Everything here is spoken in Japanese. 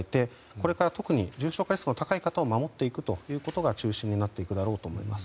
これからは特に重症化リスクの高い方を守っていくことが中心になっていくだろうと思います。